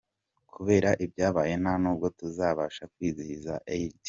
Kubera ibyabaye nta nubwo tuzabasha kwizihiza Eid.